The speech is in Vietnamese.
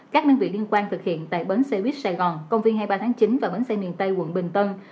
các đơn vị liên quan thực hiện tại bến xe buýt sài gòn công viên hai mươi ba tháng chín và bến xe miền tây quận bình tân